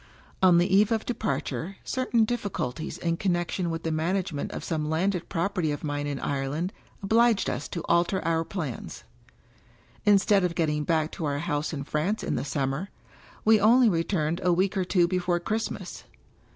On the eve of departure, certain difficul ties in connection with the management of some landed property of mine in Ireland obliged us to alter our plans. Instead of getting back to our house in France in the Sum mer, we only returned a week or two before Christmas.